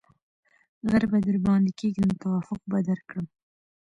ـ غر به درباندې کېږم توافق به درکړم.